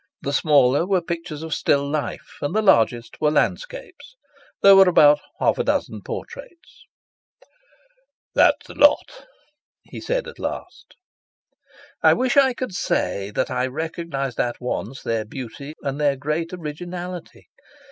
The smaller were pictures of still life and the largest were landscapes. There were about half a dozen portraits. "That is the lot," he said at last. I wish I could say that I recognised at once their beauty and their great originality.